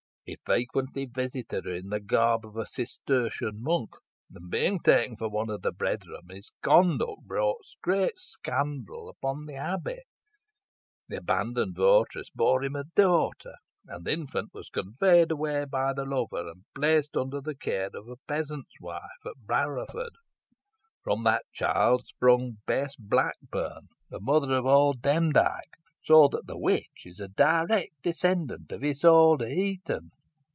He frequently visited her in the garb of a Cistertian monk, and, being taken for one of the brethren, his conduct brought great scandal upon the Abbey. The abandoned votaress bore him a daughter, and the infant was conveyed away by the lover, and placed under the care of a peasant's wife, at Barrowford. From that child sprung Bess Blackburn, the mother of old Demdike; so that the witch is a direct descendant of Isole de Heton.